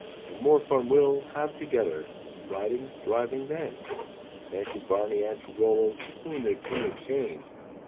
And more fun we'll have together, Riding, driving then." Then to Barney and to Rollo Soon there came a change.